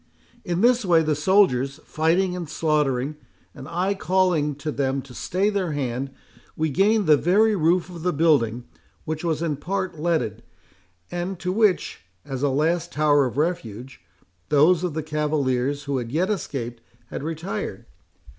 In this way, the soldiers fighting and slaughtering, and I calling to them to stay their hand, we gained the very roof of the building, which was in part leaded, and to which, as a last tower of refuge, those of the cavaliers, who yet escaped, had retired.